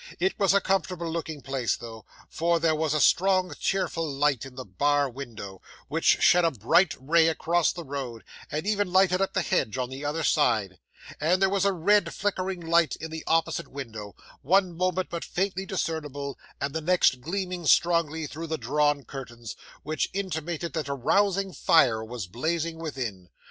It was a comfortable looking place though, for there was a strong, cheerful light in the bar window, which shed a bright ray across the road, and even lighted up the hedge on the other side; and there was a red flickering light in the opposite window, one moment but faintly discernible, and the next gleaming strongly through the drawn curtains, which intimated that a rousing fire was blazing within.